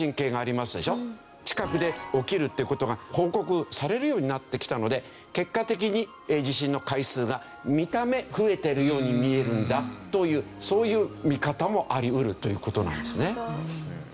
近くで起きるっていう事が報告されるようになってきたので結果的に地震の回数が見た目増えてるように見えるんだというそういう見方もあり得るという事なんですね。